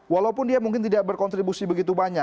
walaupun dia mungkin tidak berkontribusi begitu banyak